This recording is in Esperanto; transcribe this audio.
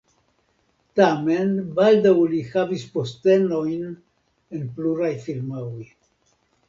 Tamen baldaŭ li havis postenojn en pluraj firmaoj.